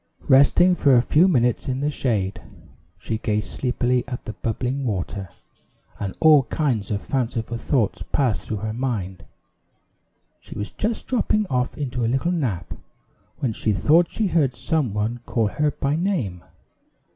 Resting for a few minutes in the shade, she gazed sleepily at the bubbling water, and all kinds of fanciful thoughts passed through her mind. She was just dropping off into a little nap, when she thought she heard some one call her by name.